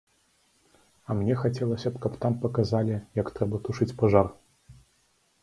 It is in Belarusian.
А мне хацелася б, каб там паказалі, як трэба тушыць пажар.